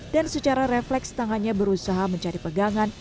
dan secara refleks tangannya berusaha mencari pegangan